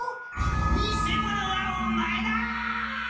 偽者はオマエだ！